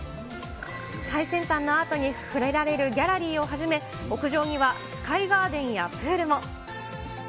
最先端のアートに触れられるギャラリーをはじめ、屋上にはスカイガーデンやプールも。